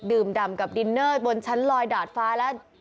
ดำกับดินเนอร์บนชั้นลอยดาดฟ้าแล้ว